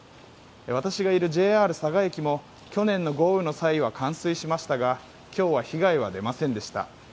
私がいるＪＲ佐賀駅も去年の豪雨の際は冠水しましたが今日は被害は出ませんでした。